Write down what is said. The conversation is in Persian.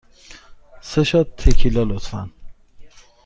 سه شات تکیلا، لطفاً.